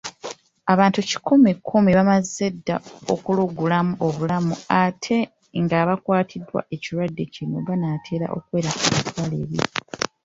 Abantu kikumi kumi baamaze dda okulugulamu obulamu ate ng'abakwatiddwa ekirwadde kino banaatera okuwera emitwalo ebiri.